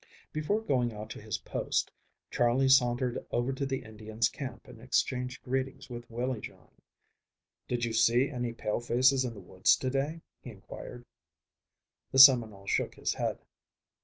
Before going out to his post, Charley sauntered over to the Indian's camp and exchanged greetings with Willie John. "Did you see any pale faces in the woods to day?" he inquired. The Seminole shook his head.